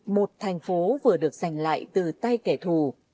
một thành phố vừa được giành lại từ tay kẻ thù